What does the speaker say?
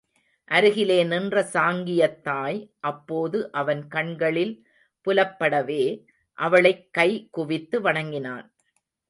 அருகிலே நின்ற சாங்கியத் தாய் அப்போது அவன் கண்களில் புலப்படவே, அவளைக் கை குவித்து வணங்கினான்.